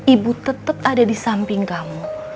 ibu tetep ada di samping kamu